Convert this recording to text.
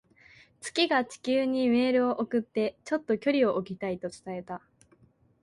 月が地球にメールを送って、「ちょっと距離を置きたい」と伝えた。